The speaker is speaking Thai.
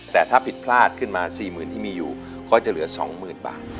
แต่ถ้าผิดพลาดขึ้นมา๔๐๐๐ที่มีอยู่ก็จะเหลือ๒๐๐๐บาท